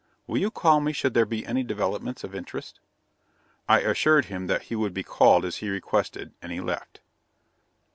Will you call me should there be any developments of interest?" I assured him that he would be called as he requested, and he left.